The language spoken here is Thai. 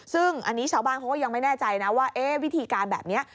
ซึ่งอันนี้ชาวบ้านเขาก็ยังไม่แน่ใจนะว่าวิธีการแบบนี้